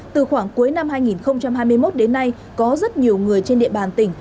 từ khoảng cuối năm hai nghìn hai mươi một đến nay có rất nhiều người trên địa bàn tỉnh